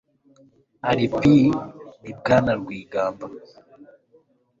aripes ni bwana rwigamba